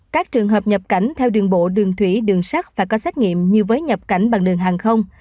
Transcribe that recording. các trường hợp nhập cảnh theo đường bộ đường thủy đường sắt phải có xét nghiệm như với nhập cảnh bằng đường hàng không